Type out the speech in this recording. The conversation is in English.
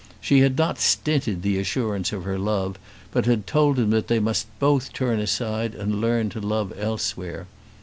She had not stinted the assurance of her love, but had told him that they must both turn aside and learn to love elsewhere.